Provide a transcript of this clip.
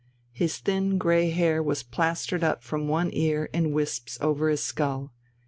His thin grey hair was plastered up from one ear in wisps over his skull.